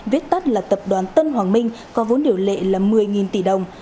viết tắt là tập đoàn tân hoàng minh có vốn điều lệ là một mươi tỷ đồng